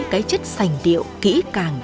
cái chất sành điệu kỹ càng